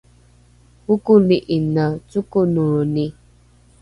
okoli’ine cokonoroni